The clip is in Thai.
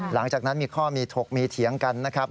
หลังจากนั้นมีข้อมีถกมีเถียงกันนะครับ